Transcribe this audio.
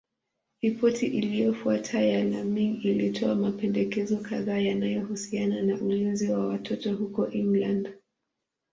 Ripoti iliyofuata ya Laming ilitoa mapendekezo kadhaa yanayohusiana na ulinzi wa watoto huko England.